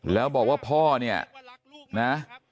แล้วบอกว่าพ่อเนี่ยนะ